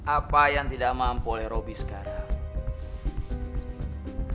apa yang tidak mampu oleh roby sekarang